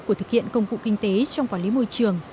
của thực hiện công cụ kinh tế trong quản lý môi trường